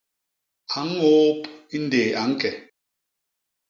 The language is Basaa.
A ñôôp i ndéé a ñke.